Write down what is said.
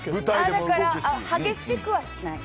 だから激しくはしない。